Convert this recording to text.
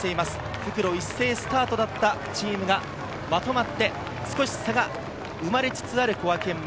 復路一斉スタートだったチームがまとまって少し差が生まれつつある小涌園前。